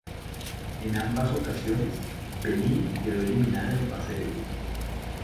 En ambas ocasiones Benín quedó eliminada en fase de grupos.